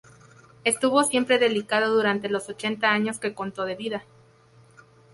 Estuvo siempre delicado durante los ochenta años que contó de vida.